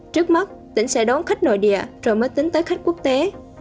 trước mắt tỉnh sẽ đón khách nội địa rồi mới tính tới khách quốc tế